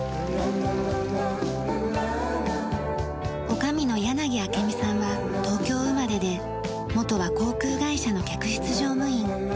女将の柳明美さんは東京生まれで元は航空会社の客室乗務員。